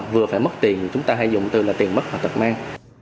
vừa phải mất tiền chúng ta hay dùng từ là tiền mất hoặc tật mang